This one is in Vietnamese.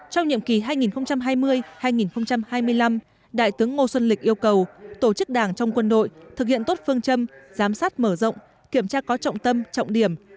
trong nhiệm kỳ hai nghìn hai mươi hai nghìn hai mươi năm đại tướng ngô xuân lịch yêu cầu tổ chức đảng trong quân đội thực hiện tốt phương châm giám sát mở rộng kiểm tra có trọng tâm trọng điểm